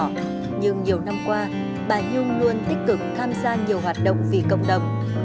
nhưng nhiều năm qua bà nhung luôn tích cực tham gia nhiều hoạt động vì cộng đồng